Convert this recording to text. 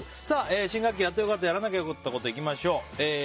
新学期やってよかった・やらなきゃよかったコトいきましょう。